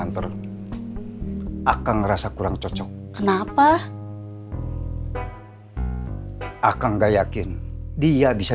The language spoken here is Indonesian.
tunggu tungguin gak bisa